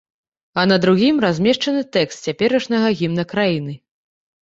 А на другім размешчаны тэкст цяперашняга гімна краіны.